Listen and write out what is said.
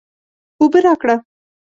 اوبه راکړه